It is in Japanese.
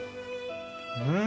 うん。